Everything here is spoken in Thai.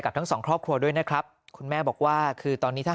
ทั้งสองครอบครัวด้วยนะครับคุณแม่บอกว่าคือตอนนี้ถ้า